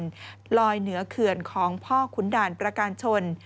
ลอยเหนือเขื่อนของพ่อขุนด่านประการชน